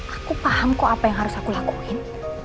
aku paham kok apa yang harus aku lakuin